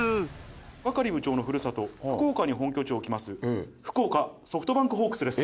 バカリ部長のふるさと、福岡に本拠地を置きます、福岡ソフトバンクホークスです。